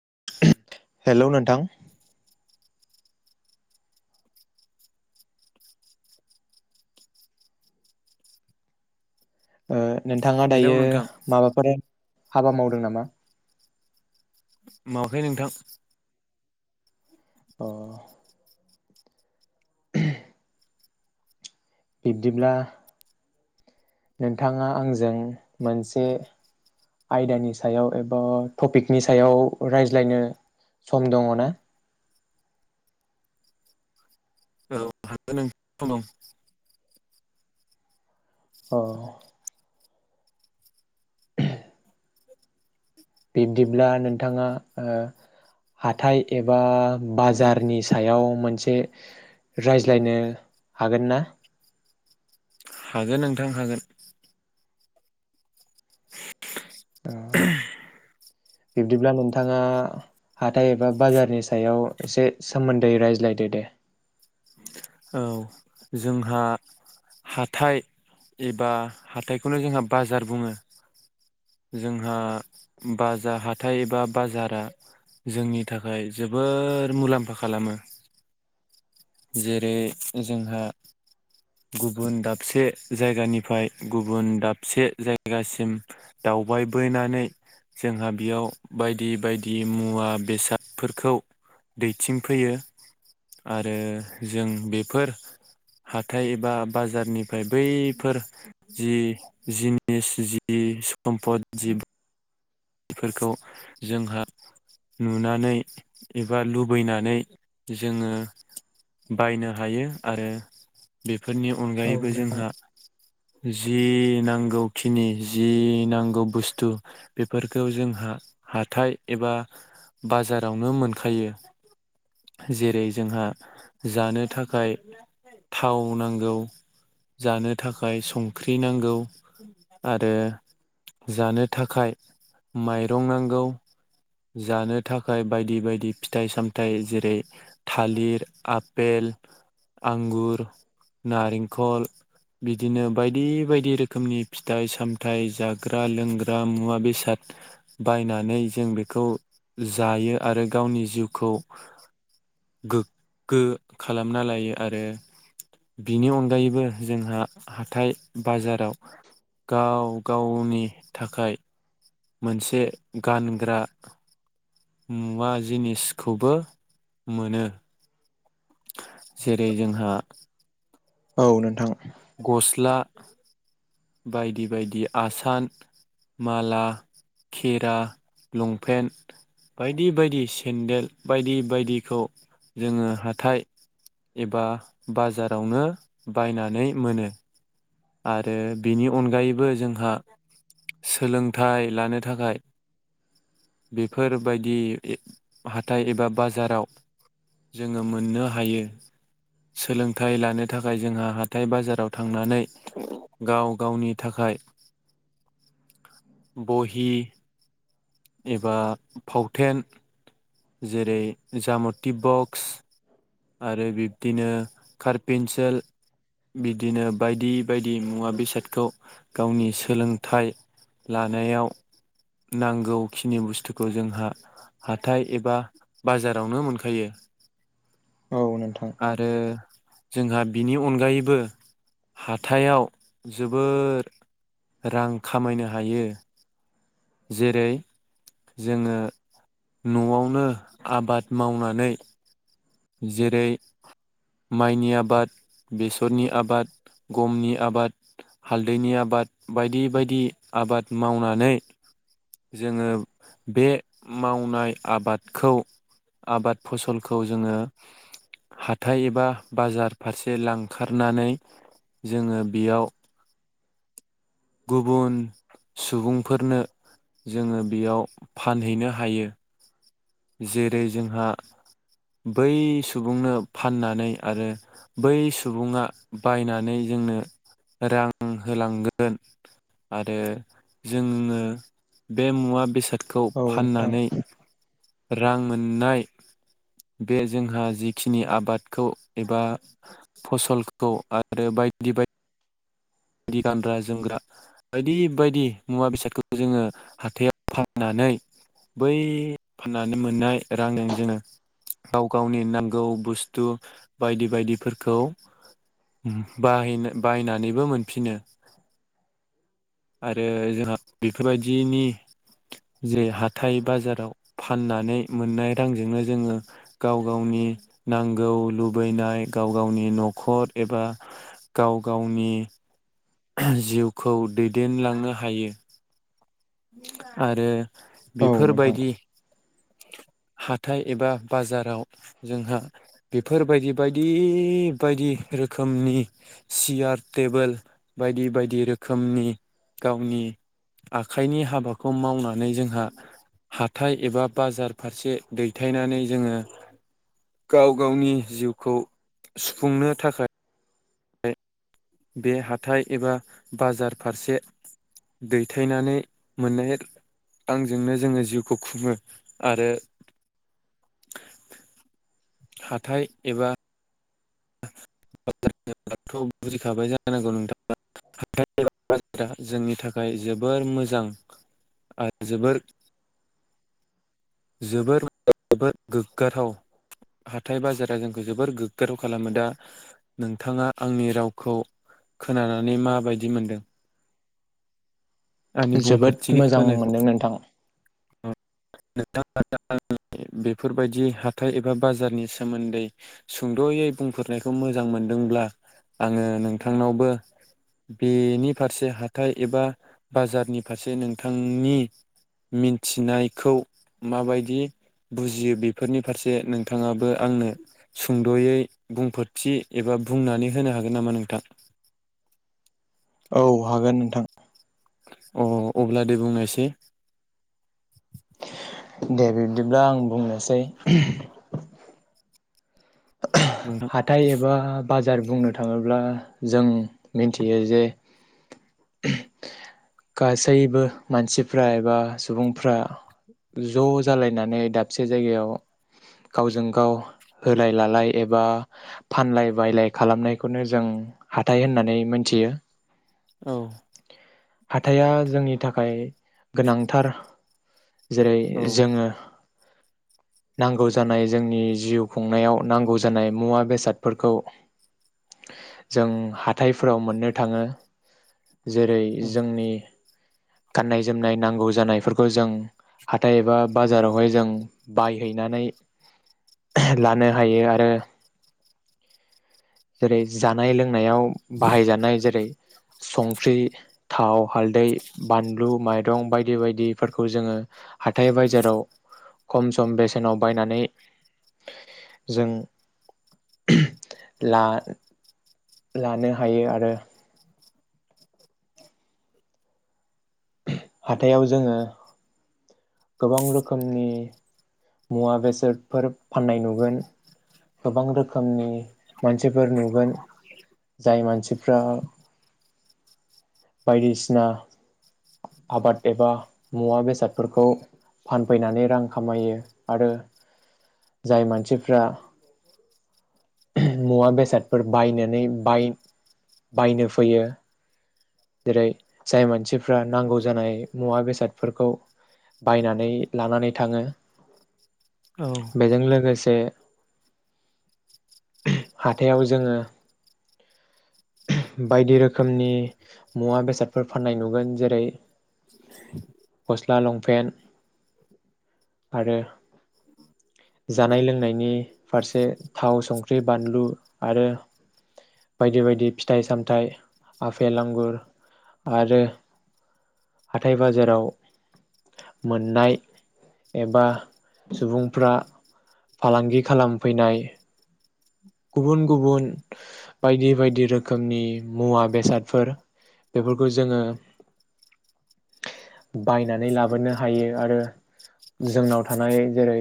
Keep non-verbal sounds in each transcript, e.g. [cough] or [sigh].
[inaudible] Hello नोंथां ओ नोंथाङा हेलौ दायो नोंथां माबाफोर हाबा मावदों नामा? मावाखै नोंथां अ' बिब्दिब्ला नोंथाङा आंजों मोनसे आयदानि सायाव एबा टपिकनि सायाव रायज्लायनो सम दङ' ना? औ हागोन [unintelligible] औ बिब्दिब्ला नोंथांङा ओ हाथाय एबा बाजारनि सायाव मोनसे रायज्लायनो हागोन ना? हागोन नोंथां हागोन। बिब्दिब्ला नोंथाङा हाथाय एबा बाजारनि सायाव एसे सोमोन्दै रायज्लायदो दे? औ जोंहा हाथाइ एबा हाथाइखौनो जोंहा बाजार बुङो जोंहा बाजार हाथाइ एबा बाजारा जोंनि थाखाय जोबोर मुलाम्फा खालामो जे जै जोंहा गुबुन दाबसे जायगानिफ्राय गुबुन दाबसे जायगासिम दावबायबोनानै जोंहा बेयाव बायदि बायदि मुवा बेसादफोरखौ दैथिंफैयो आरो जों बेफोर हाथाइ एबा बाजारनिफ्राय बैफोर जि जिनिस जि सम्फद जिफोरखौ जोंहा नुनानै एबा लुबैनानै जोङो बायनो हायो आरो बेफोरनि औ अनगायैबो नोंथां जोंहा जि नांगौखिनि जि नांगौ बुस्थु बेफोरखौ जोंहा हाथाय एबा बाजारावनो मोनखायो जेरै जोंहा जानो थाखाय थाव नांगौ जानो थाखाय संख्रि नांगौ आरो जानो थाखाय माइरं नांगौ जानो थाखाय बायदि बायदि फिथाइ सामथाइ जेरै थालिर आ पेल आंगुर नारेंखल बिदिनो बायदि बायदि रोखोमनि फिथाइ सामथाइ जाग्रा लोंग्रा मुवा बेसाद बायनानै जों बेखौ जायो आरो गावनि जिउखौ गोग्गो खालामना लायो आरो बिनि अनगायैबो जोंहा हाथाइ बाजाराव गाव गावनि थाखाय मोनसे गानग्रा मुवा जिनिसखौबो मोनो जेरै जोंहा औ नोंथां। गस्ला बायदि बायदि आसान माला खेरा लंपेन्ट बायदि बायदि सेन्देल बायदि बायदिखौ जोङो हाथाइ एबा बाजारावनो बायनानै मोनो। आरो बेनि अनगायैबो जोंहा सोलोंथाइ लानो थाखाय बेफोरबायदि हाथाइ एबा बाजाराव जोङो मोननो हायो सोलोंथाइ लानो थाखाय जोंहा हाथाइ बाजाराव थांनानै गाव गावनि थाखाय बहि एबा फावथेन जेरै जामथि बक्स आरो बिब्दिनो कारपेेनसिल बिदिनो बायदि बायदि मुवा बेसादखौ गावनि सोलोंथाइ लानायाव नांगौखिनि बुस्थुखौ जोंहा हाथाय एबा बाजारावनो मोनखायो। औ नोंथां आरो जोंहा बिनि अनगायैबो हाथायाव जोबोर रां खामायनो हायो। जेरै जोङो न'आवनो आबाद मावनानै जेरै माइनि आबाद बेसरनि आबाद गमनि आबाद हालदैनि आबाद बायदि बायदि आबाद मावनानै जोङो बे मावनाय आबादखौ आबाद फसलखौ जोङो हाथाय एबा बाजार फारसे लांखारनानै जोङो बेयाव गुबुन सुबुंफोरनो जोङो बेयाव फानहैनो हायो। जेरै जोंहा बै सुबुंनो फाननानै आरो बै सुबुङा बायनानै जोंनो रां होलांगोन आरो जोंङो बे मुवा बेसाद खौ औ नोंथां फाननानै रां मोननाय बे जोंहा जिखिनि आबादखौ एबा फसलखौ आरो बायदि बायदि गानग्रा जोमग्रा बायदि बायदि मुवा बेसादखौ जोङो हाथायाव फाननानै बै फाननानै मोननाय रांजों जोङो गाव गावनि नांगौ बुस्थु बायदि बायदिफोरखौ बायनो बाहायनानैबो मोनो। [unintelligible] आरो जोंहा बेफोरबायदिनि जे हाथाइ बाजाराव फाननानै मोननाय रांजोंनो जोङो गाव गावनि नांगौ लुबैनाय गाव गावनि न'खर एबा गाव गावनि जिउखौ दै देनलांनो हायो। आरो औ नोंथां बेफोरबायदि हाथाइ एबा बाजाराव जोंहा बेफोरबायदि बायदि बायदि रोखोमनि सियार टेबोल बायदि बायदि रोखोमनि गावनि आखाइनि हाबाखौ मावनानै जोंहा हाथाय एबा बाजार फारसे दैथायनानै जोङो गाव गावनि जिउखौ सुफुंनो थाखाय [unintelligible] बे हाथाइ एबा बाजार फारसे दैथायनानै मोननाय आंजोंनो जोङो जिउखौ खुङो आरो हाथाय एबा [unintelligible] जोबोर जोबोर गोग्गाथाव हाथाय बाजारा जोंखौ जोबोर गोग्गाथाव खालामो दा नोंथाङा आंनि रावखौ खोनानानै माबायदि मोनदों? आंनि बुंफोरथि जोबोद मोजां होनायखौ मोनदों नोंथां। [unintelligible] बेफोरबायदि हाथाइ एबा बाजारनि सोमोन्दै सुंद'यै बुंफोरनायखौ मोजां मोनदोंब्ला आङो नोंथांनावबो बेनि फारसे हाथाइ एबा बाजारनि फारसे नोंथांनि मिथिनायखौ माबायदि बुजियो बेफोरनि फारसे नोंथाङाबो आंनो सुंद'यै बुंफोरथि एबा बुंनानै होनो हागोन नामा नोंथां? औ हागोन नोंथां। अ अब्ला दे बुंनायसै दे बिब्दिब्ला आं बुंनोसै औ नोंथां हाथाय एबा बाजार बुंनो थाङोब्ला जों मोनथियो जे गासैबो मानसिफ्रा एबा सुबुंफ्रा ज' जालायनानै दाबसे जायगायाव गावजों गाव होलाय लालाय एबा फानलाय बायलाय खालामनायखौनो जों हाथाय होननानै मोनथियो। औ। हाथाइआ जोंनि थाखाय गोनांथार। जेरै औ जोङो नांगौ जानाय जोंनि जिउ खुंनायाव नांगौ जानाय मुवा बेसादफोरखौ जों हाथायफोराव मोननो थाङो जेरै औ जोंनि गाननाय जोमनाय नांगौ जानायफोरखौ जों हाथाय एबा बाजारावहाय जों बायहैनानै लानो हायो आरो जेरै जानाय लों नायाव बाहायजानाय जेरै संख्रि थाव हालदै बानलु माइरं बायदि बायदिफोरखौ जोङो हाथाय बाजाराव खम सम बेसेनाव बायनानै जों ला लानो हायो आरो हाथायाव जोङो गोबां रोखोमनि मुवा बेसादफोर फाननाय नुगोन गोबां रोखोमनि मानसिफोर नुगोन जाय मानसिफ्रा बायदिसिना आबाद एबा मुवा बेसादफोरखौ फानफैनानै रां खामायो। आरो जाय मानसिफ्रा मुवा बेसादफोर बायनानै बाय बायनो फैयो। जेरै जाय मानसिफ्रा नांगौ जानाय मुवा बेसादफोरखौ बायनानै लानानै थाङो। औ बेजों लोगोसे बे हाथायाव जोंङो बायदि रोखोमनि मुवा बेसादफोर फाननाय नुगोन जेरै गस्ला लंपेन्ट आरो जानाय लोंनायनि फारसे थाव संख्रि बानलु आरो बायदि बायदि फिथाइ सामथाइ आफेल आांगुर आरो हाथाय बाजाराव मोननाय एबा सुबुंफ्रा फालांगि खालामफैनाय गुबुन गुबुन बायदि बायदि रोखोमनि मुवा बेसादफोर बेफोरखौ जोङो बायनानै लाबोनो हायो आरो जोंनाव थानाय जेरै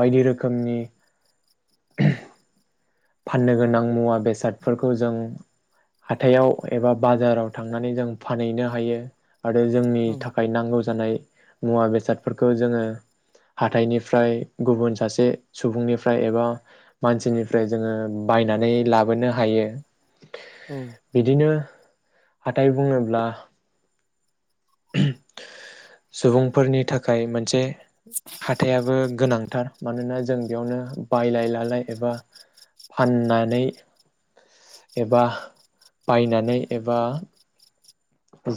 बायदि रोखोमनि [inaudible] फाननो गोनां मुवा बेसादफोरखौ जों हाथायाव एबा बाजाराव थांनानै जों फानहैनो हायो। आरो जोंनि औ थाखाय नांगौ जानाय मुवा बेसादफोरखौ जोङो हाथाइनिफ्राय गुबन‌ सासे सुबुंनिफ्राय एबा मानसिनिफ्राय जोङो बायनानै लाबोनो हायो। औ बिदिनो हाथाय बुङोब्ला सुबुंफोरनि थाखाय मोनसे हाथायाबो गोनांथार मानोना जों बेयावनो बायलाय लालाय एबा फाननानै एबा बायनानै एबा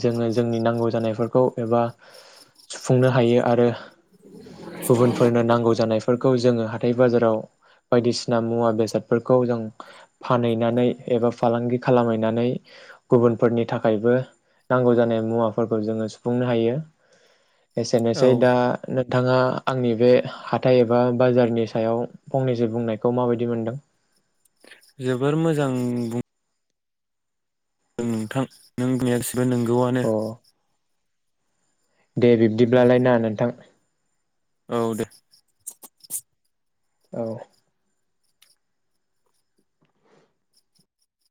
जोङो जोंनि नांगौ जानायफोरखौ एबा सुफुंनो हायो आरो गुबुनफोरनो नांगौ जानायफोरखौ जोङो हाथाय बाजाराव बायदिसिना मुवा बेसादफोरखौ जों फानहैनानै एबा फालांगि खालामहैनानै गुबुनफोरनि थाखायबो नांगौ जानाय मुवाफोरखौ जोङो सुफुंनो हायो। औ एसेनोसै दा नोंथाङा आंनि बे हाथाइ एबा बाजारनि सायाव फंनैसो बुंनायखौ माबायदि मोनदों जोबोर मोजां बुं नोंथां [unintelligible] बो नोंगौ आनो अ दे बिब्दिब्लालाय ना नोंथां औ दे औ